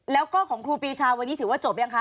แล้วก็ของครูปีชาวันนี้ถือว่าจบยังคะ